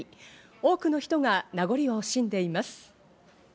多くの人が名残を惜しんでいます。